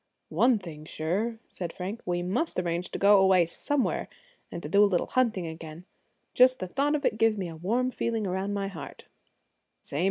"One thing sure," said Frank, "we must arrange to go away somewhere, and do a little hunting again. Just the thought of it gives me a warm feeling around my heart."